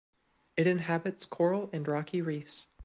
It inhabits coral and rocky reefs.